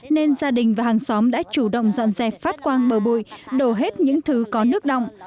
nên gia đình và hàng xóm đã chủ động dọn dẹp phát quang bờ bụi đổ hết những thứ có nước đọng